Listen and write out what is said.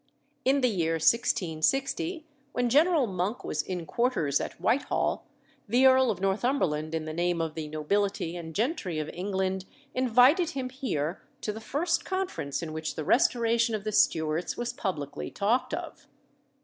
In the year 1660, when General Monk was in quarters at Whitehall, the Earl of Northumberland, in the name of the nobility and gentry of England, invited him here to the first conference in which the restoration of the Stuarts was publicly talked of.